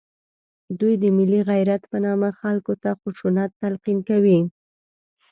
دوی د ملي غیرت په نامه خلکو ته خشونت تلقین کوي